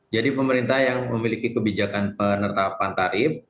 jadi pemerintah yang memiliki kebijakan penetapan tarif